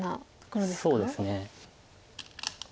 そうですね。